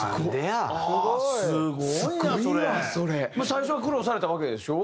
最初は苦労されたわけでしょ？